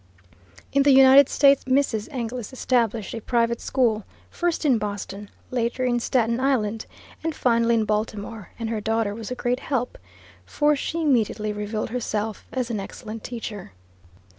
In the United States Mrs. Inglis established a private school first in Boston, later in Staten Island, and finally in Baltimore, and her daughter was a great help, for she immediately revealed herself as an excellent teacher.